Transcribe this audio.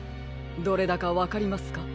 どれだかわかりますか？